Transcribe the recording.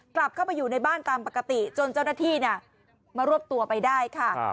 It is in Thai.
กลับเข้าไปอยู่ในบ้านตามปกติจนเจ้าหน้าที่มารวบตัวไปได้ค่ะ